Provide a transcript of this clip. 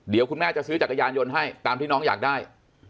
เดี๋ยวคุณแม่จะซื้อจักรยานยนต์ให้ตามที่น้องอยากได้